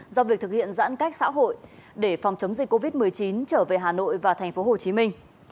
do việc thực hiện giãn cách xã hội để phòng chống dịch covid một mươi chín trở về hà nội và thành phố hồ chí minh